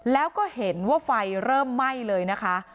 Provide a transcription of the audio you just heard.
แล้วก็เห็นว่าไฟเริ่มไหม้เลยนะคะ